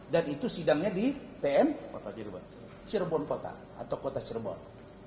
dan itu sidangnya di pm cirebon kota atau kota cirebon